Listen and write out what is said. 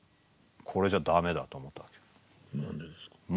これじゃ駄目だと思ったんですよ。